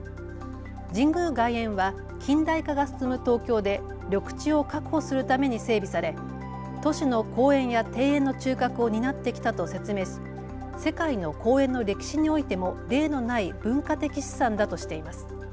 神宮外苑は近代化が進む東京で緑地を確保するために整備され都市の公園や庭園の中核を担ってきたと説明し世界の公園の歴史においても例のない文化的資産だとしています。